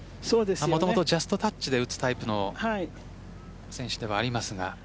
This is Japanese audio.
もともとジャストタッチで打つタイプの選手ではありますが。